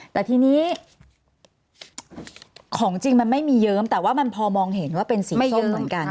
แต่ทีนี้ของจริงมันไม่มีเยิ้มแต่ว่ามันพอมองเห็นว่าเป็นสีส้มเหมือนกัน